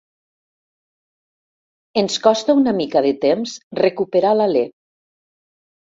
Ens costa una mica de temps recuperar l'alè.